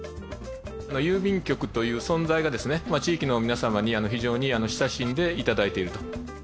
郵便局という存在が地域の皆様に非常に親しんでいただいていると。